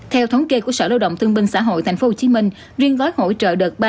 theo thống kê của sở lao động thương binh xã hội tp hcm riêng gói hỗ trợ đợt ba